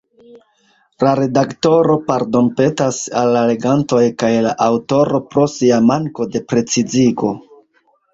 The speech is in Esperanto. La redaktoro pardonpetas al la legantoj kaj la aŭtoro pro sia manko de precizigo.